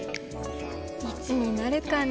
いつになるかな？